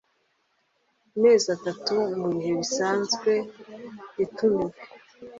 mezi atatu mu bihe bisanzwe itumiwe